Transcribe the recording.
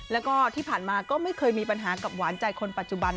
แล้วก็ที่ผ่านมาก็ไม่เคยมีปัญหากับหวานใจคนปัจจุบัน